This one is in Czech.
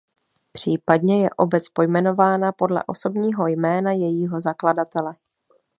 Případně je obec pojmenovaná podle osobního jména jejího zakladatele.